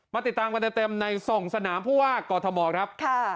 ติดตามกันเต็มใน๒สนามผู้ว่ากอทมครับ